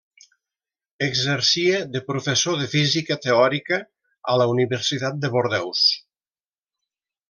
Exercia de professor de física teòrica a la Universitat de Bordeus.